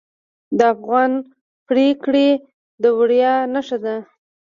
د افغان پګړۍ د ویاړ نښه ده.